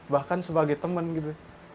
bahkan sebagai teman gitu